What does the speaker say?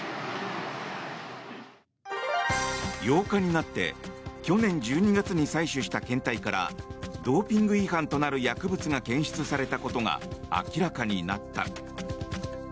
８日になって去年１２月に採取した検体からドーピング違反となる薬物が検出されたことが明らかになった。